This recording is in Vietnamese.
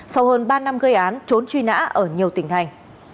sau hơn ba năm gây án trốn trốn